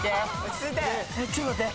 ちょっと待って。